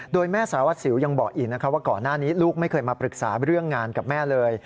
โดยแม่สารวัสสิวยังบอกอีกนะคะว่าก่อนหน้านี้ลูกไม่เคยมาปรึกษาเรื่องงานกับแม่เลย